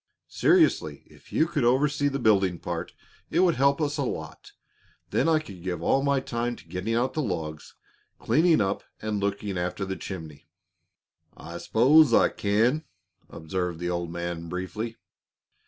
Seriously, if you could oversee the building part, it would help us a lot. Then I could give all my time to getting out the logs, cleaning up, and looking after the chimney." "I s'pose I can," observed the old man, briefly.